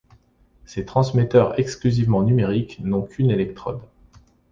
Ses transmetteurs, exclusivement numériques, n'ont qu'une électrode.